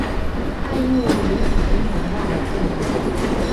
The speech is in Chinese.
她因为无比的美貌而著名。